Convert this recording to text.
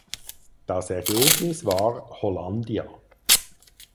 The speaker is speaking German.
Das Ergebnis war "Hollandia".